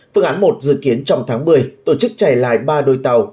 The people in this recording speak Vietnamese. phương án một dự kiến trong tháng một mươi tổ chức chạy lại ba đôi tàu